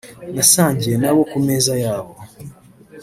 nasangiye nabo ku meza yabo